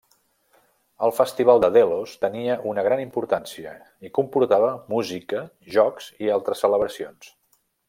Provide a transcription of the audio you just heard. El festival de Delos tenia gran importància i comportava música, jocs i altres celebracions.